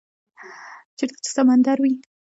- چیرته چې سمندر وی،